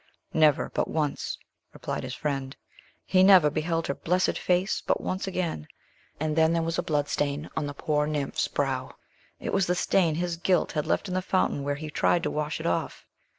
"Never but once," replied his friend. "He never beheld her blessed face but once again, and then there was a blood stain on the poor nymph's brow; it was the stain his guilt had left in the fountain where he tried to wash it off.